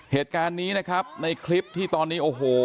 เหตุการณ์นี้นะครับในคลิปที่ตอนนี้โอ้โห